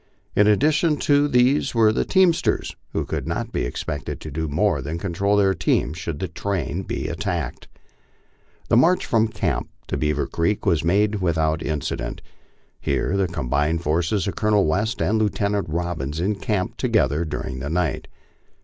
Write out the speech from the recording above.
In addition to these were the teamsters, who could not be expected to do more than control their teams should the train be at tacked. The march from camp to Beaver Creek was made without incident. Here the combined forces of Colonel West and Lieutenant Robbins encamped to gether during the night.